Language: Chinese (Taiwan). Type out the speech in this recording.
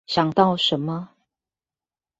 想到什麼